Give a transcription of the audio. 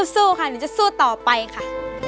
สู้ค่ะเราก็จะสู้ต่อไปค่ะ